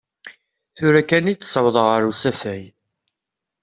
Tura kan i t-ssawḍeɣ ar usafag.